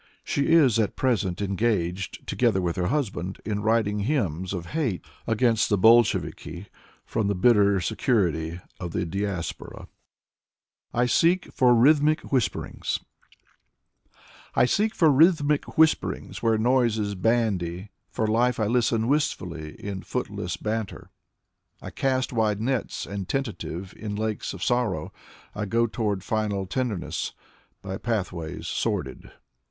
She is at present engaged, together with her husband, in writ ing hymns of hate against the Bolsheviki, from the bitter secu rity of the Diaspora. 68 Zinaida Hippius 69 " I SEEK FOR RHYTHMIC WHISPERINGS " I seek for rhythmic whisperings Where noises bandy — For life I listen wistfully In footless banter. I cast wide nets and tentative In lakes of sorrow. I go toward final tenderness By pathways sordid.